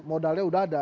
modalnya udah ada